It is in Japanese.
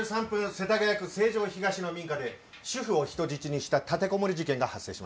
世田谷区成城東の民家で主婦を人質にした立てこもり事件が発生しました。